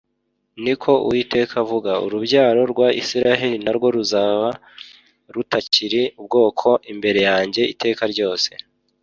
ni ko Uwiteka avuga, urubyaro rwa Isiraheli na rwo ruzaba rutakiri ubwoko imbere yanjye iteka ryose.